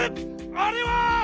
あれは！